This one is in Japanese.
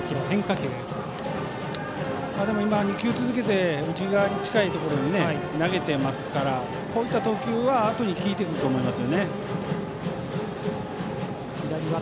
２球続けて内側に近いところに投げてますからこういった投球はあとに効いてくると思います。